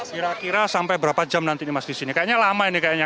kira kira sampai berapa jam nanti mas disini kayaknya lama ini kayaknya